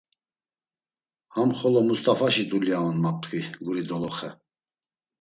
Ham xolo Must̆afaşi dulya on ma p̌t̆ǩvi guri doloxe.